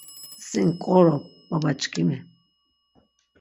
Sin ǩqorop babaçkimi.